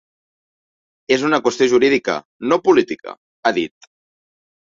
“És una qüestió jurídica, no política”, ha dit.